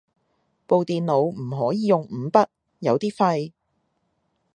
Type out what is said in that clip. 部電腦唔可以用五筆，有啲廢